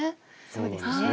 そうですね。